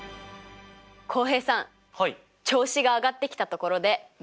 浩平さん調子が上がってきたところで問題です！